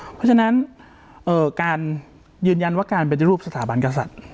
เพราะฉะนั้นการยืนยันว่าการปฏิรูปสถาบันกษัตริย์